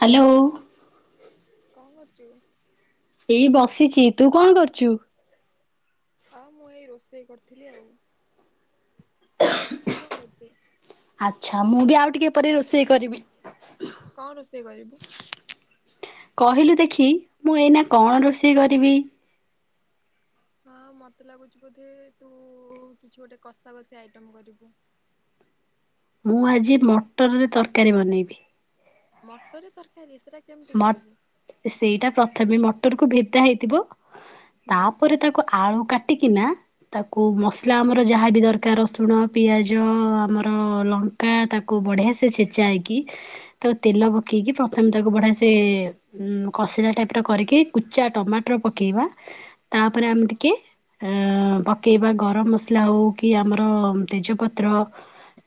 Hello. କଁ କରୁଚୁ? ଏଇ ବସିଛି ତୁ କଣ କରୁଚୁ? ହଁ ମୁଁ ଏଇ ରୋଷେଇ କରଥିଲି ଆଉ। ହ [unintelligible] ତୁ ଙ୍କ କରୁଚୁ? ଆଛା ମୁଁ ବି ଆଉ ଟିକେପରେ ରୋଷେଇ କରିବି। କଁ ରୋଷେଇ କରିବୁ? କହିଲୁ ଦେଖି ମୁଁ ଏଇନା କଁ ରୋଷେଇ କରିବି? ହଁ ମତେ ଲାଗୁଚି ବୋଧେ ତୁ କିଛି ଗୋଟେ କଷା କଷି ଆଇଟମ୍ କରିବୁ। ମୁଁ ଆଜି ମଟରରେ ତରକାରୀ ବନେଇବି। ମଟରରେ ତରକାରୀ ସେରାା କେମିତି ମ କରିବୁ? ସେଇଟା ପ୍ରଥମେ ମଟରକୁୁ ଭେଦା ହେଇଥିବ ହୁଁ। ତାପରେ ତାକୁ ଆଳୁ କାଟି କଟିକିନା ତାକୁ ମସଲା ଆମର ଯାହାବି ଦରକାର ରସୁଣ ପିଆଜ ଆମର ଲ କା ତାକୁ ବଢିଆ ସେ ଛେଚାହେଇକି ତାକୁ ତେଲ ପକେଇକି ପ୍ରଥମେ ତାକୁ ବଢିଆ ସେ କଷିଲା ଟାଇପିର କରିକି କୁଚା ଟମାଟର ପକେଇବା ତାପରେ ହଁ ଆମେ କି ଅ ପକେଇବା ଗରମ ମସଲା ଓ କି ଆମର ତେଜ ପତ୍ର।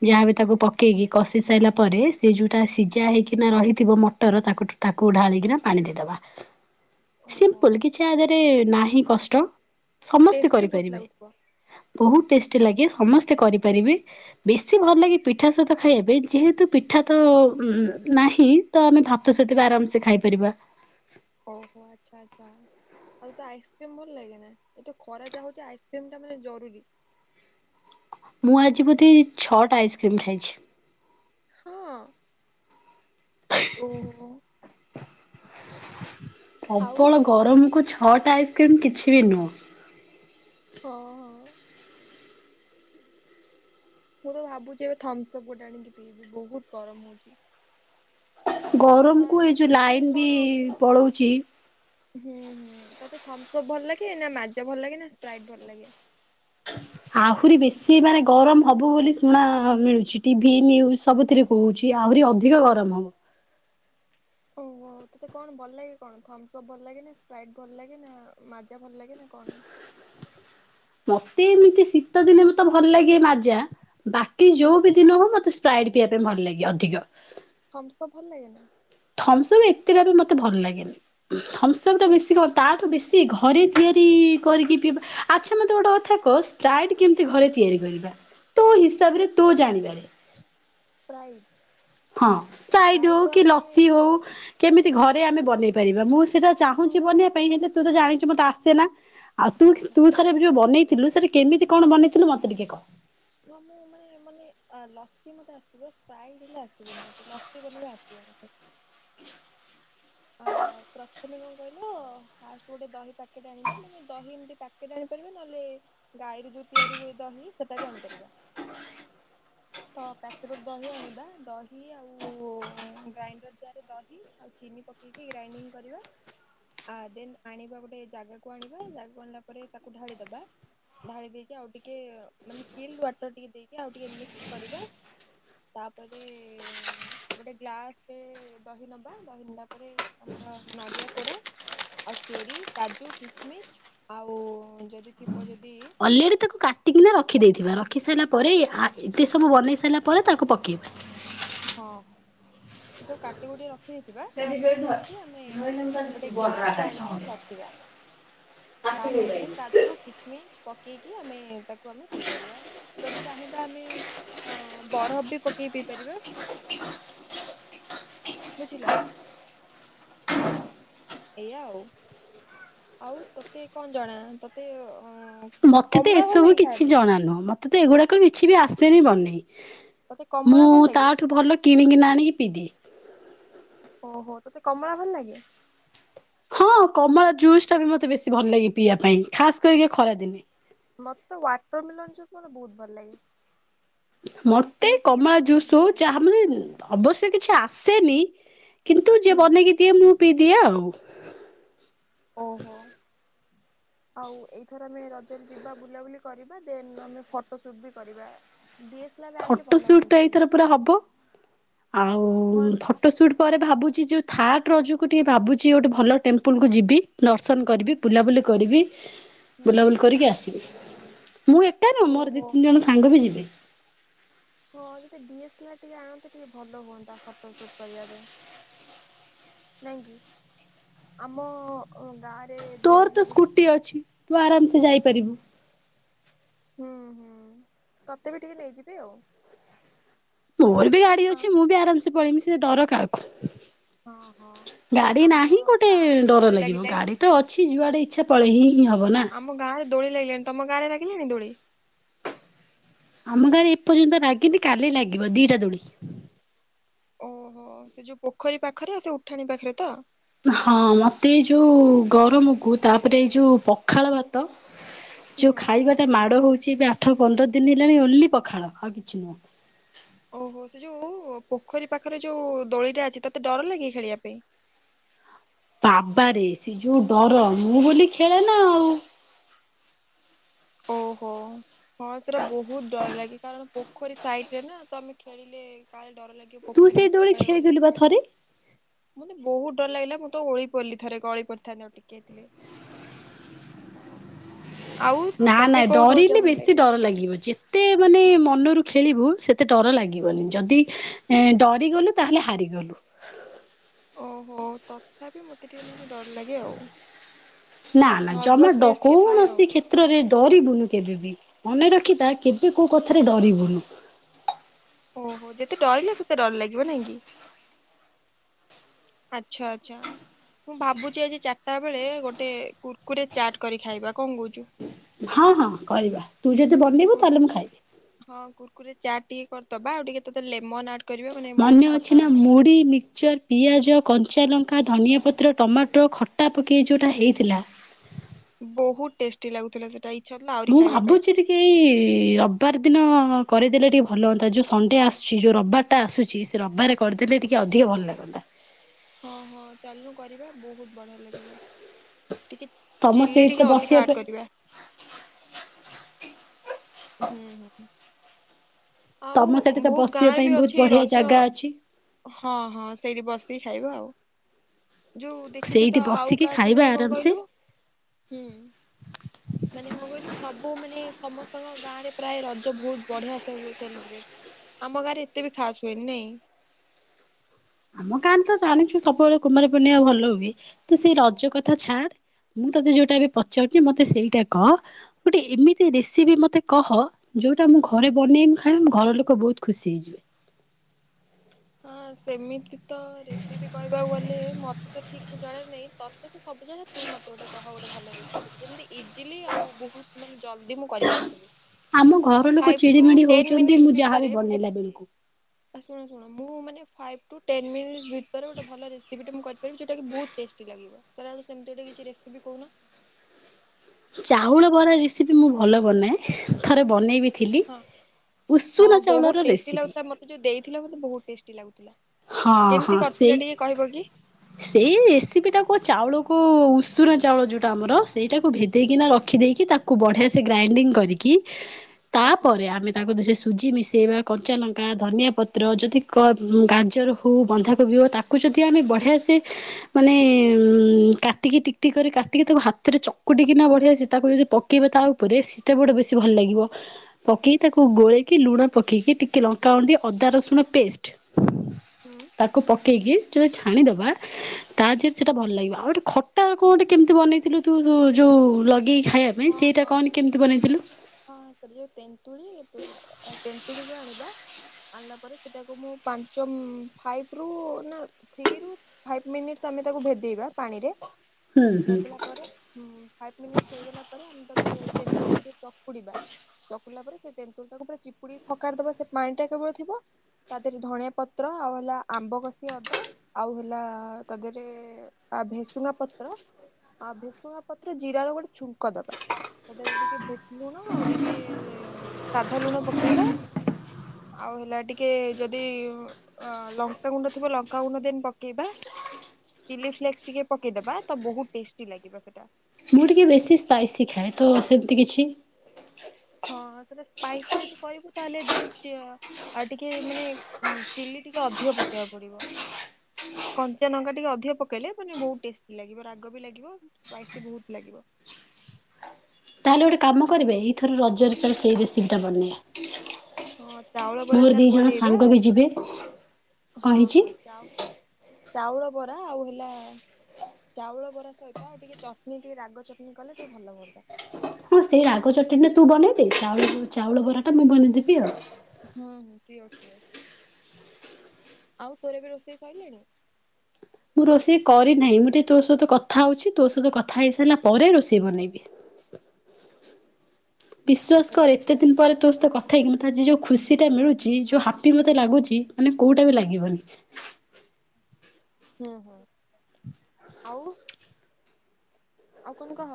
ଯାହାବି ତାକୁ ପକେଇକି କଷି ସାରିଲା ପରେ ସେ ଯୋଉଟା ସିଝା ହେଇକିନା ରହିଥିବ ମଟର ତାକୁ ତାକୁ ଢାଳିକିନା ପାଣି ଦେଇଦବା ଓହୋ ସିମ୍ପଲ୍ କି କିଛି ଆଦିଅରେ ନାହିଁ କଷ୍ଟ ସମସ୍ତେ ଟେଷ୍ଟି ବହୁତ କରିପାରିବେ। ଲାଗୁଥିବ। ବହୁତ ଟେଷ୍ଟି ଲାଗେ ସମସ୍ତେ କରିପାରିବେ। ବେଶୀ ଭଲ ଲାଗେ ପିଠା ସହିତ ଖାଇବା ପାଇଁ ଯେହେତୁ ପିଠା ତ ନାହିଁ ତ ଆମେ ଭାତ ସହିତ ଥିବ ଆରାମସେ ଖାଇପାରିବା। ଓହୋ ଆଚ୍ଛା ଆଚ୍ଛା। ଆଉ ତେତ ଆଇସକ୍ରିମ ଭଲ ଲାଗେ ନା ଏତେଖରା ଯାହା ହେଉଛି ଆଇସ୍କ୍ରିମ ଟା ମାନେ ଜରୁରୀ। ମୁଁ ଆଜି ବୋଧେ ଛଅଟା ଆଇସ୍କ୍ରିମ୍ ଖାଇଚି। ହଁ ଓହୋ। ଆଉ ପ୍ରବଳ ଗରମକୁ ଛଅଟା ଆଇସ୍କ୍ରିମ୍ କିଛି ବି ନୁହଁ। ଓ ହୋ। ମୁଁ ତ ଭାବୁଚି ଏବେ ଥମ୍ସ ଅପ୍ ଗୋଟେ ଆଣିକି ପିଇବି ବୋହୁତୁ ଗରମ ହଉଚି। ଗରମକୁ ଏ ଯୋଉ ତତେ ଲାଇନ୍ ବି କଣ ମାନେ ପଳାଉଚି। ହୁଁ ହୁଁ ତତେ ଥମ୍ସ ଅପ୍ ଭଲ ଲାଗେ ନା ମାଜ ଭଲ ଲାଗେ ନା ସ୍ପ୍ରାଇଟ୍ ଭଲ ଲାଗେ? ହ [unintelligible] ଆହୁରି ବେଶୀ ମାନେ ଗରମ ହବ ବୋଲି ଶୁଣା ମିଳୁଚି ଟିଭି ନିୟୁଜ୍ ସବୁଥିରେ ହୋଉଚି ଆହୁରି ଅଧିକ ଗରମ ହବ। ଓହୋ ତତେ କଣ ଭଲ ଲାଗେ କଣ ଥମ୍ସ ଅପ୍ ଭଲ ଲାଗେ ନା ସ୍ପ୍ରାଇଟ୍ ଭଲ ଲାଗେ ନା ମାଜା ଭଲ ଲାଗେ ନା କଣ? ମତେ ଏମିତି ଶୀତ ଦିନେ ମତେ ଭଲ ଲାଗେ ମାଜା ବାକି ହଁ ଯୋଉ ବି ଦିନ ହୋଉ ମତେ ଫ୍ରାଇଡ୍ ପିଇବା ପାଇଁ ଭଲ ଲାଗେ ଅଧିକ। ଥମ୍ସପ୍ ଭଲ ଲାଗେନି? ଥମ୍ସପ୍ ଏତେଟା ବି ମତେ ଭଲ ଲାଗେନି ଥମ୍ସପ୍ ଟା ଓ ବେଶୀ କ ତା ବେଶୀ ଘରେ ତିଆରି କରିକି ପିଇବା ଆଚ୍ଛା ମୋତେ ଗୋଟେ କଥା କହ ଷ୍ଟାଇଟ୍ କେମିତି ଘରେ ତିଆରି କରିବା ତୋ ହିସାବ ରେ ତୁ ଜାଣିବାରେ ଫ୍ରାଇଟ୍ ହଁ ଷ୍ଟାଇଡ ହଉ କି ଲସି ହଉ କେମିତି ଘରେ ଆମେ ବନେଇ ପାରିବା ମୁଁ ସେଇଟା ହଁ ଚାହୁଁଛି ବନେଇବା ମତେ ପାଇଁ ହେଲେ ତୁ ତ ଜାଣିଛୁ ମତେ ଆସେ ନା ଆଉ ତୁ ହଁ ହଁ ତୁୁ ଥରେ ଯଉ ବନେଇଥିଲୁ ସେଟି କେମିତି କଣ ବନେଇଥିଲୁ ମତେ ଟିକେ କହ? ହଁ -ମୁଁ ମାନେ- ମାନେ ଲସି ମତେ ଆସିବ ସ୍ପାଇ ଲା ଆସିବନି ମତେ ଲସି ବନେଇବା ଆସିବ ମୋତେ। ଅ ପ୍ର ତମେ କଣ କହିଲ ଫାଷ୍ଟ୍ ଗୋଟେ ଦହି ପ୍ୟାକେଟ୍ ଆଣିବ ମାନେ ଦହି ଏମତି ପ୍ୟାକେଟ୍ ଆଣିପାରିବ ନହେଲେ ଗାଈରୁ ଯଉ ତିଆରି ହୁଏ ଦହି ସେଟା ବି ଆଣିପାରିବ। ତ ପ୍ୟାକେଟ୍ ରୁ ଦହି ଆଣିବା ଦହି ଆଉ ଗ୍ରାଇଣ୍ଡର୍ ଜାର୍ ରେ ଦହି ଆଉ ଚିନି ପକେଇକି ଗ୍ରାଇଣ୍ଡିଙ୍ଗ୍ କରିବା ଆ ଦେନ୍ ଆଣିବା ଗୋଟେ ଜାଗାକୁ ଆଣିବା ଜାଗାକୁ ଆଣିଲା ପରେ ତାକୁ ଢାଳିଦବା ଢାଳି ଦେଇକି ଆଉ ଟିକେ ମାନେ ଚିଲ୍ ୱାଟର୍ ଟିକେ ଦେଇକି ଆଉ ଟିକେ ମିକ୍ସ୍ କରିବା ତାପରେ ଗୋଟେ ଗ୍ଲାସ୍ ରେ ଦହି ନବା ଦହି ନେଲା ତାପରେ ଆମର ନଡିଆ କୋରା ଆଉ ଚେରି, କାଜୁ, କିସ୍ ମିଚ୍ ଆଉ ଯଦି ଥିବ ଯଦି ଅଲରେଡ଼ି ତାକୁ କାଟିକିନା ରଖିଦେଇଥିବା ରଖିସାରିଲା ପରେ ଇଏ-ଆ-ଏତେ ସବୁ ବନେଇ ସାରିଲା ପରେ ତାକୁ ପକାଇବା। ହଁ ସବୁ କାଟି କୁଟି ରଖ୍ ଖି ଦେଇଥିବା ତାପରେ ଯାଇକି ଆମେ ଗୋଟେ ଗ୍ଲାସ୍ ଟା ଆଣିକି ଆମେ ରଖିବା। ତାପରେ ଯାଇ କାଜୁ, କିଚ୍ ମିଚ୍ ପକେଇକି ଆମେ ତାକୁ ଆମେ ପିଇ ପାରିବା। ଯଦି ଚାହିଁବା ଆମେ ଅ- ବରଫ୍ ବି ପକେଇ ପିଇ ପାରିବା। ବୁଝିଲ। ଏଇଆ ଆଉ। ଆଉ ତତେ କଣ ଜଣା ତତେ ଅ ମତେ ତ କମଳା ଭଲ ଏସବୁ ଲାଗେ ଖାଇବା କିଛି ଜଣା ନୁହଁ ମତେ ତ ଏଗୁଡାକ କିଛି ବି ଆସେନି ବନେଇ। ପାଇଁ ତତେ କମଳା ମୁଁ ଭଲ ଲାଗେ ତାଠୁ ଭଲ କିଣିକିନା ଆଣିକି ପି ଦିଏ। ଓହୋ ତତେ କମଳା ଭଲ ଲାଗେ? ହଁ କମଳା ଜୁସ୍ ଟା ବି ମତେ ବେଶି ଭଲ ଲାଗେ ପିଇବା ପାଇଁ ଖାସ୍ କରିକି ଖରା ଦିନେ। ମତେ ତ ୱାଟରମେଲନ୍ ଜୁସ୍ ମତେ ବହୁତ୍ ଭଲ ଲାଗେ। ମୁଁ ମତେ ପିଇଥିଲି କମଳା ମତେ ବହୁତ ଜୁସ୍ ଭଲ ହଉ ଲାଗିଲା ଯାହା ମତେ ଅବଶ୍ୟ କିଛି ଆସେନି କିନ୍ତୁ ଯିଏ ହୁଁ ବନେଇକି ଦିଏ ମୁଁ ପିଇଦିଏ ଆଉ। ଓହୋ। ଆଉ ଏଇଥର ଆମେ ରଜରେ ଯିବା ବୁଲାବୁଲି କରିବା ଦେନ୍ ଆମେ ଫଟୋ ସୁଟ୍ ବି କରିବା। ଡି ଏସ୍ ଏଲ୍ ଆର୍ ଆଣିଲେ ଫଟୋ ଭଲ ସୁଟ୍ ତ ହୁଅନ୍ତା ଟିକେ ଏଇଥର ପୁରା ହବ ଆଉ ହଁ ଫ ଫଟୋ ସୁଟ୍ ପରେ ଭାବୁଚି ଯଉ ଥାଡ୍ ରଜକୁ ଟିକେ ଭାବୁଚି ଗୋଟେ ଭଲ ଟେମ୍ପୁଲ୍ କୁ ଯିବି। ଦର୍ଶନ ହୁଁ। କରିବି ବୁଲାବୁଲି କରିବି ହୁଁ ବୁଲାବୁଲି କରିକି ଆସିବି ମୁଁ ଏ କ ନୁହଁ ମୋର ଓହୋ ଦି ତିନି ଜଣ ସାଙ୍ଗ ବି ଯିବେ। ହଁ ଯଦି ଡିଏସ୍ଏଲାର୍ ଟିକେ ଆଣନ୍ତେ ଟିକେ ଭଲ ହୁଅନ୍ତା ଫଟୋ ସୁଟ୍ କରିବା ପାଇଁ। ନାଇଁ କି। ଆମ ଓ ଗାଁ ରେ ଦୋଳି ତୋର୍ ତ ଲାଗୁଛି। ସ୍କୁଟି ଅଛି ତୁ ଆରାମ୍ ସେ ଯାଇପାରିବୁ। ହୁଁ- ହୁଁ ତତେ ବି ଟିକେ ନେଇଯିବି ଆଉ। ମୋର୍ ବି ଗାଡି ଅଛି ହଁ ମୁଁ ବି ଆରାମ୍ ସେ ପଳେଇବି ସେ ଡର କାହାକୁ। ହଁ ହଁ। ଗାଡି ଆମର ନାହିଁ ଗୋଟେ ଗାଁରେ ଡର ଦୋଳି ଲାଗିବ ଲାଗିଲାଣି। ଗାଡି ତ ଅଛି ଯୁଆଡେ ଇଚ୍ଛା ପଳେଇ ହିଁ -ହିଁ ହବ ନା। ଆମ ଗାଁରେ ଦୋଳି ଲାଗିଲାଣି। ତମ ଗାଁରେ ଲାଗିଲଣି ଦୋଳି? ଆମ ଗାଁରେ ଏପର୍ଯ୍ୟନ୍ତ ଲାଗିନି କାଲି ଲାଗିବ ଦି ଟା ଦୋଳି। ଓହୋ ସେ ଯଉ ପୋଖରୀ ପାଖରେ ସେ ଉଠାଣି ପାଖରେ ତ? ହଁ ମତେ ଏଇ ଯୋଉ ଗରମ୍ କୁ ତାପରେ ଏଇ ଯୋଉ ପଖାଳ ଭା ତ ହୁଁ ଯେଉ ଖାଇବାଟା ମାଡ଼ ହଉ ସିଏ ବି ଆଠ ପନ୍ଦର ଦିନ ହେଲାଣି ଓନ୍ଲି ପଖାଳ ଆଉ କିଛି ନୁହଁ। ଓହୋ ସେ ଯେଉ ପୋଖରୀ ପାଖରେ ଯେଉ ଦୋଳିଟା ଅଛି ତତେ ଡର ଲାଗେ ଖେଳିବା ପାଇଁ? ବାବାରେ ସେ ଯେଉ ଡର ମୁଁ ବୋଲି ଖେଳେ ନା ଆଉ। ଓହୋ। ହଁ ସେଟା ବହୁତ ଡର ଲାଗେ କାରଣ ପୋଖରୀ ସାଇଡ ରେ ନା ତ ମେ ଖେଳିଲେ କାଳେ ଡର ଲାଗି ତୁ ସେଇ ଦୋଳି ଖେଳିଦେଲୁ ପା ଥରେ। ମତେ ବହୁତ ଡର ଲାଗିଲା ମୁଁ ତ ଓଳି ପଡିଲି ଥରେ ଗଳି ପଡିଥାନ୍ତି ଆଉ ଟିକେ ହେଇଥିଲେ। ଆଉ ନା ତତେ ନାାଇଁ କୋଉ ଦୋଳିଟା ଡରିଲେ ଭଲ ବେଶୀ ଲାଗେ ଡର ଲାଗିବ ଯେ କେତେ ମାନେ ମନରୁ ଖେଳିବୁ ସେତେ ଡର ଲାଗିବନି ଯଦି ଏଁ ଡରି ଗଲୁ ତାହେଲେ ହାରିଗଲୁ। ଓହୋ ତ୍ ଏହାବି ମୋତେ ଟିକେ ମାନେ ଡର ଲାଗେ ଆଉ ନର୍ଭସନେସ୍ ଟିକେ ଥାଏ ଆଉ। କେତ୍ରରେ ଡରିବୁନୁ କେବେ ବି ମନେ ରଖିଥା କେବେ କୋଉ କଥାରେ ଡରିବୁନୁ। ଓହୋ ଯେତେ ଡରିଲେ ସେତେ ଡର ଲାଗିବ ନାଇଁ କି? ଆଚ୍ଛା ଆଚ୍ଛା। ମୁଁ ଭାବୁଛି ଆଜି ଚାରିଟା ବେଳେ ଗୋଟେ କୁର୍କୁରେ ଚାଟ୍ କରି ଖାଇବା କଣ କହୁଛୁ? ହଁ ହଁ କରିବା ତୁ ଯଦି ବନେଇବୁ ତାହେଲେ ମୁଁ କୁୁରକୁରେ ଖାଇବି। ହଁ କୁରୁକୁରେ ଚାଟ ଟିକେ କରିଦବା ଆଉ ଟିକେ ତତେ ଲେମନ ଆଡ ମନେ ଅଛି ନା ମୁଢ଼ି ମିକଚର୍ ପିଆଜ କଞ୍ଚା ଲଙ୍କା ଧନିଆ ପତ୍ର ଟମାଟୋ ଖଟା ପକାଇ ଯେଉଁଟା ହେଇଥିଲା। ବହୁତ ଟେଷ୍ଟି ଲାଗୁଥିଲା ସେଟାଇ। ମୁଁ ଭାବୁଛି ଟିକ୍ ଏଇ ରବିବାର ଦିନ କରିଦେଲେ ଟିକିଏ ଭଲ ହୁଅନ୍ତା ଯେଉଁ ସଣ୍ଡେ ଆସୁଛି ଯେଉଁ ରବିବାରଟା ଆସୁଛି। ରବାରେ କରିଦେଲେ ଟିକେ ଅଧିକ ଭଲ ଲାଗନ୍ତା। ହଁ ହଁ ଚାଲନୁ କରିବା ବହୁତ ବଢିଆ ଲାଗିବ। ଟିକେ ତମ ଚିଲ୍ଲି ସେଇଠି ତ ଟିକେ ଅଧିକ ବସିବା ଆଡ଼୍ ପାଇଁ କରିବା। ହୁଁ ହୁଁ। ଆଉ ତମ ସେଠି ତ ବହୁତ ବସିବା ଗାଁରେ ପାଇଁ ବି ବହୁତ ଅଛି ବଢିଆ ରଜ। ଜାଗା ଅଛି। ହଁ ହଁ ସେଇଠି ବସିକି ଖାଇବ ଆଉ। ଯୋଉ ଦେଖିଛୁ ସେଇଠି ତ ଆଉ ବସିକି କାହା ଖାଇବା ସମାନେ କଣ ଆରାମସେ। କହିଲୁ? ହୁଁ ମାନେ କଣ କହିଲୁ ସବୁ ମାନେ ସମସ୍ତ। ତାଙ୍କ ଗାଁରେ ପ୍ରାୟ ରଜ ବହୁତ ବଢିଆ ସେ ହୁଏ ସେଲିବ୍ରେଟ ଆମ ଗାଁରେତେ ବି ଖାସ ହୁଏନି ନାଇଁ। ଆମ ଗାଁରେ ତ ଜାଣିଛୁ ସବୁବେଳେ କୁମାର ପୂର୍ଣିମା ଭଲ ହୁଏ ତୁ ସେଇ ରଜ କଥା ଛାଡ। ମୁଁ ତୋତେ ଯୋଉଟା ବି ପଚାରୁଛିି ମତେ ସେଇଟା କହ ଗୋଟେ ଏମିତି ରେସିବି ମତେ କହ? ଯୋଉଟା ମୁଁ ଘରେ ବନେଇମି ଖାଇମି ଘର ଲୋକ ବହୁତ ଖୁସି ହେଇଯିବେ। ହଁ ସେମିତି ତ ରେସିପି କହିବାକୁ ଗଲେ ମତେ ତ ଠିକ୍ ଜଣା ନାଇଁ ତତେ ତ ସବୁ ଜଣା ତୁ ମୋତେ ଗୋଟେ କହ ଗୋଟେ ଭଲ ରେସିପି ଯେମିତି ଇଜିଲି ଆଉ ବହୁତ ମାନେ ଜଲ୍ଦି ମୁଁ କରିପାରଥିବି ଆମ ଘର ଲୋକ ଫାଇଫ ଟୁ ଚିଡିମିଡି ଟେନ ହଉଛନ୍ତି ମିିନିଟସ ମୁଁ ଯାହାବି ଭିତରେ ମୁ ବନେଇଲା ଯେମିତି ବେଳକୁ। ଫାସ୍ ଶୁଣ ମୁଁ ମାନେ ଫାଇଭ୍ ଟୁ ଟେନ୍ ମିନିଟ୍ସ୍ ଭିତରେ ଗୋଟେ ଭଲ ରେସିପି ଟେ ମୁଁ କରିପାରିବି ଜଉଟା ବହୁତ ଟେଷ୍ଟି ଲାଗିବ ସାର୍ ଆଉ ସେମିତି ଗଟେ କିଛି ରେସିିପି କହୁନ ଚାଉଳ ବରା ରେସିପି ମୁଁ ଭଲ ବନାଏ ଥରେ ବନେଇବି ଥିଲି ହଁ ଉଷୁନା ଚାଉଳର ରେସିପି ସେ ଯୋଉ ଦେଇଥିଲେ ମୋତେ ବହୁତ ଟେଷ୍ଟି ଲାଗୁଥିଲା ହଁ ହଁ କେମିତି ସେଇ କରିଥିଲେ ଟିକେ କହିବ କି? ସେଇ ରେସିପି ଟା କ ଚାଉଳ କ ଉସୁନା ଚାଉଳ ଯୋଉଟା ଆମର ସେଇଟାକୁ ଭେଦେଇକିନା ରଖ ରଖି ଦେଇେକି ତାକୁ ବଢ଼ିଆ ସେ ଗ୍ରାଇଣ୍ଡିଂ କରିକି ଓକେ ତାପରେ ଆମେ ତାକୁ ଦେହରେ ସୁଜି ମିଶାଇବା କଞ୍ଚା ଲଙ୍କା ଧନିଆ ପତ୍ର ଯଦି କ ଗ ଜର ହେଉ ବନ୍ଧାକୋବି ହେ ତାକୁ ଯଦି ଆମେ ବଢ଼ିଆ ସେ ମାନେ କାଟିକି ଟି କୁଟି କରି କାଟିକି ତାକୁ ହାତରେ ଚକୁଟିକିନା ବଢିଆ ତାକୁ ଯଦି ପକେଇବା ତା ଉପରେ ସେଇଟା ଗୋଟେ ବେଶୀ ଭଲ ଲାଗିବ ପକେଇ ତାକୁ ଗୋଳେଇକି ଲୁଣ ପକେଇକି ଟିକିଏ ଲଙ୍କା ଗୁଣ୍ଡ ଟିକେ ଅଦା ରସୁଣ ପେଷ୍ଟ ହୁଁ ତାକୁ ପକାଇକି ଯଦି ଛାଣିଦେବା ତା ଦେହରେ ସେଟା ଭଲ ଲାଗିବ ଆଉ ଗୋଟେ ଖଟା କଣ ଗୋଟେ କେମିତି ବନେଇଥିଲୁ ତୁ ଯୋଉ ଯୋଉ ଲଗେଇକି ଖାଇବା ଇଁ ହଁ ସେଇଟା ହଁ କହନି କେମିତି ବନେଇଥିଲୁ ହଁ ସେଠି ଯୋଉ ତେନ୍ତୁଳି ଅ ତେନ୍ତୁଳିକୁୁ ଆଣିବା ଆଣିଲା ପରେ ସେଟାକୁ ମୁଁ ପାଞ୍ଚ ମ ଫାଇଭରୁ ନା ଥ୍ରି ରୁ ଫାଇଭ ମିନିଟ ଆମେ ତାକୁ ଭେଦେଇବା ପାଣିରେ ହୁଁ ହୁଁ। ଭେଦିଲା ପରେ ଫାଇଭ ମିନିଟ ହେଇଗଲା ପରେ ଆମେ ତାକୁ ତେନ୍ତୁଳି କୁ ଟିକେ ଚ ଚକୁଡିବା ଚକୁଡିଲା ପରେ ସେ ତେନ୍ତୁଳିଟାକୁ ପୁରା ଚିପୁଡିକି ଫକାରି ଦବା ସେ ପାଣି ଟା କେବଳ ଥିବ ତା ଦେହରେ ଧଣିଆ ପତ୍ର ଆଉ ହେଲା ଆମ୍ବ କଷି ଅଦା ଆଉ ହେଲା ତା ଦେହରେ ଆ ଭେସୁଙ୍ଗା ପତ୍ର ଆଉ ଭେସୁଙ୍ଗା ପତ୍ର ଜୀରା ର ଗୋଟେ ଛୁଙ୍କ ଦବା ମୋତେ ଏଥି ଟିକେ ଭେ ଲୁଣ ଆଉ ଟିକେ ସାଧା ଲୁଣ ପକେଇବା ଆଉ ହେଲା ଟିକେ ଯଦି ଅ ଲଙ୍କାଗୁଣ୍ଡ ଥିବ ଲଙ୍କାଗୁଣ୍ଡ ଦେନ୍ ପକେଇବା ଚିଲି ଫ୍ଲେକ୍ସ ଟିକେ ପକେଇଦବା ତ ବହୁତ ଟେଷ୍ଟି ଲାଗିବ ସେଟା ମୁଁ ଟିକେ ବେଶୀ ସ୍ପାଇସି ଖାଏ ତ ସେମିତି କିଛି ହଁ ସେଟା ସ୍ପାଇସ୍ ଯଦି କରିବୁ ତାହେଲେ ଦେନ୍ ଆଉ ଟିକେ ମାନେ ଚିଲି ଟିକେ ଅଧିକ ପକେଇବାକୁ ପଡିବ। କଞ୍ଚା ଲଙ୍କା ଟିକେ ଅଧିକ ପକେଇଲେ ମାନେ ବହୁତ ଟେଷ୍ଟି ଲାଗିବ ରାଗ ବି ଲାଗିବ। ସ୍ପାଇସି ବହୁତ ଲାଗିବ। ତାହେଲେ ଗୋଟେ କାମ କରିବେ ଏଇଥର ରଜରେ ସେଇ ରେସିପି ଟା ହଁ ବନେଇବା ଚାଉଳ ବରା ମୋର ଚାଲ ଦି ଜଣ ବନେଇବା ସାଙ୍ଗ ବି ଯିବେ କଣ ହଁ ହେଇଛି ହଁ ଚାଉ ଚାଉଳ ବରା ଆଉ ହେଲା ଚାଉଳ ବରା ସହିତ ଆଉ ଟିକେ ଚଟନି ଟିକେ ରାଗ ଚଟଣି କଲେ ଟିକେ ଭଲ ହୁଅନ୍ତା। ହଁ ସେଇ ରାଗ ଚଟଣୀଟା ତୁ ବନେଇଦେ ଚ ଚାଉଳ ବରା ଟା ମୁଁ ବନେଇଦେବି ଆଉ ହୁଁ ହୁଁ ସିଓର୍ ସିଓର୍ ସିଓର୍ ଆଉ ପରିବା ରୋଷେଇ ସଇଲାଣି ମୁଁ ରୋଷେଇ କରିନାହିଁ ମୁଁ ଟିକେ ତୋ ସହିତ କଥା ହଉଛି ତୋ ସହିତ କଥା ହେଇସାରିଲା ପରେ ରୋଷେଇ ବନେଇବି [inaudible] [inaudible] ବିଶ୍ୱାସ ଓହୋ କର ଆଚ୍ଛା ଏତେ ଦିନ ଆଚ୍ଛା। ପରେ ତୋ ସହିତ କଥାହେଇକି ମୋତେ ଆଜି ଯୋଉ ଖୁସୀଟା ମିଳୁଛି ଯୋଉ ହାପି ମୋତେ ଲାଗୁଛି ମାନେ କୋଉଟା ବି ଲାଗିବନି। [inaudible] ହୁଁ ହୁଁ ଆଉ ଆଉ କଣ କହ?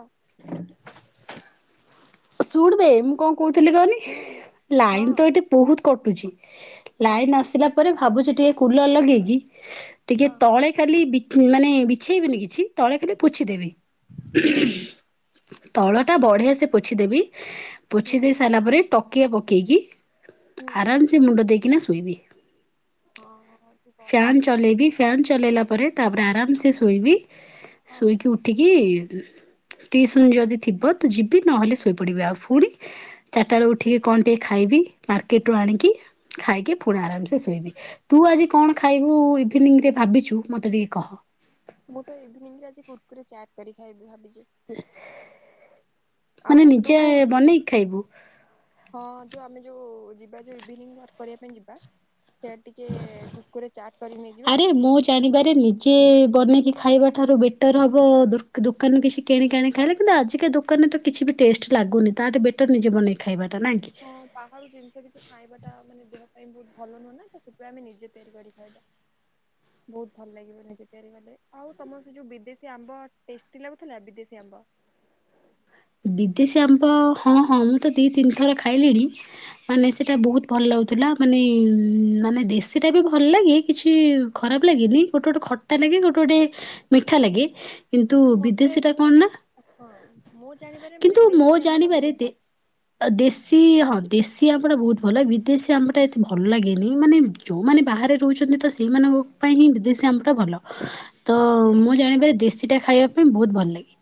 ଶୁଣବେ ମୁଁ କଣ କହୁଥିଲି କହନି ହୁଁ ହଁ ଲାଇନ ତ ଏଠି ବହୁତ କଟୁଚି ହଁ ଲାଇନ ଆସିଲା ପରେ ଭାବୁଛି ଟିକେ କୁଲର ଲଗେଇକି ଟିକେ ହଁ ତଳେ ଖାଲି ବିଛେ ମାନେ ବିଛେଇବେନି କିଛି ତଳେ ଖାଲି ପୁଛି ହଁ ଦେବି ହଁ ତଳଟା ବଢିଆ ସେ ପୋଛିଦେବି ହୁଁ ପୋଛି ଦେଇ ସାରିଲା ପରେ ଟକିଆ ପକେଇକି ହୁଁ ଆରାମ ସେ ମୁଣ୍ଡ ଦେଇକି ନା ଶୋଇବି। ହଁ ହଁ ଯୋଉ ଗରମ ଫ୍ୟାନ୍ ବି ହଉଛି ଚଲେଇବି। ଫ୍ୟାନ୍ ଚଲେଇଲା ପରେ ତାପରେ ଆରାମସେ ଶୋଇବି ହଁ ଶୋଇକି ଉଠିକି ଟିସନ ଯଦି ଥିବ ତ ଯିବି ନହେଲେ ଶୋଇପଡିବି ଆଉ ପୁଣି ଚାରିଟା ବେଳେ ଉଠିକି କଣ ଟିକେ ଖାଇବି ମାର୍କେଟ ରୁ ଆଣିକି ଖାଇକି ପୁଣି ହଁ ଆରାମସେ ଶୋଇବି ତୁ ଆଜି କଣ ଖାଇବୁ ଇଭିନିଂରେ ଭାବିଛୁ ମୋତେ ଟିକେ କହ। ମୁଁ ତ ଇଭିନିଂରେ ଆଜି କୁୁରକୁୁରେ ଚାଟ୍ କରି ଖାଇବି ଭାବିଛି। ମାନେ ଆଉ ତୁ ନିଜେ ବନେଇକି ଖାଇବୁ? ହଁ ଯାଉ ଆମେ ଯୋଉ ଯିବା ଯୋଉ ଇଭିନିଂ ୱାର୍କ କରିବା ପାଇଁ ଯିବା। ସିଆଡ଼େ ଟିକେ କୁରକୁରେ ଚାଟ୍ କରିକି ନେଇଯିବା ଆରେ କି? ମୁଁ ଜାଣିବାରେ ନିଜେ ବନେଇକି ଖାଇବା ଠାରୁ ବେଟର୍ ହବ ଦୋକା ଦୋକାନରୁ କିଛି କିଣିକାଣି ଖାଇଲେ କିନ୍ତୁ ଆଜିକା ଦୋକାନରେ ତ କିଛି ବି ଟେଷ୍ଟ ଲାଗୁନି ତାଠୁ ବେଟର୍ ନିଜେ ବନେଇ ଖାଇବାଟା ନାଇଁ କି? ହଁ ବାହାରୁ ଜିନିଷ କିଛି ଖାଇବା ଟା ମାନେ ଦେହ ପାଇଁ ବହୁତ ଭଲ ନୁହେଁ ନା ତ ସେଥିାଇଁ ଆମେ ନିଜେ ତିଆରି କରି ଖାଇବା। ହ ବହୁତ ଭଲ ଲାଗିବ ନିଜେ ତିଆରି କଲେ ଆଉ ତମର ସେ ଯୋଉ ବିଦେଶୀ ଆମ୍ବ ଟେଷ୍ଟି ଲାଗୁଥିଲା। ବିଦେଶୀ ଆମ୍ବ ବିଦେଶୀଆମ୍ବ, ହଁ ହଁ ମୁଁ ତ ଦି ତିନି ଥର ଖାଇଲିଣି ମାନେ ସେଇଟା ବହୁତ ଭଲ ଲାଗୁଥିଲା। ମାନେ ମାନେ ଦେଶୀଟା ବି ଭଲ ଲାଗେ କିଛି ଖରାପ ଲାଗେନି ଗୋଟେ ଗୋଟେ ଖଟା ଲାଗେ ଗୋଟେ ଗୋଟେ ମିଠା ଲାଗେ। କିନ୍ତୁ ନା ମତେ ବିଦେଶୀ ଟା ମୁଁ କଣ ମାନେ ନା? ହଁ ମୁଁ ଜାଣିପାରେ କିନ୍ତୁ ମାନେ ମୋ ଦେଶୀ ଆମ୍ବ ଟା ଜାଣିବାରେ ବହୁତ ଦେ ଭଲ। ଦେଶୀ ହଁ ଦେଶୀ ଆମ୍ବ ଟା ବହୁତ ଭଲ ବିଦେଶୀ ଆମ୍ବ ଟା ଏତେ ଭଲ ଲାଗେନି। ମାନେ ଯୋଉମାନେ ବାହାରେ ରହୁଛନ୍ତି। ତ ସେଇମାନଙ୍କ ପାଇଁ ହିଁ ବିଦେଶୀ ଆମ୍ବଟା ଭଲ। ତ ହୁଁ। ମୁଁ ଜାଣିବାରେ ଦେଶୀଟା ଖାଇବା ପାଇଁ ବହୁତ ଭଲ ଲାଗେ।